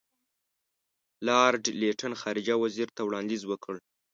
لارډ لیټن خارجه وزیر ته وړاندیز وکړ.